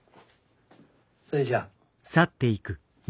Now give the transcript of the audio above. それじゃあ。